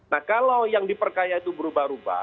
nah kalau yang diperkaya itu berubah ubah